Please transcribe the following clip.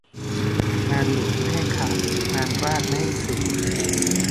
งานหลวงไม่ให้ขาด งานราษฎร์ไม่ให้เสีย